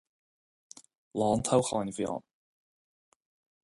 Lá an toghcháin a bhí ann.